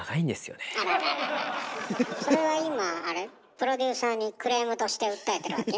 プロデューサーにクレームとして訴えてるわけ？